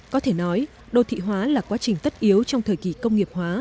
có thể nói đô thị hóa là quá trình tất yếu trong thời kỳ công nghiệp hóa